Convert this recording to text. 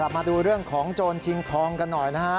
มาดูเรื่องของโจรชิงทองกันหน่อยนะฮะ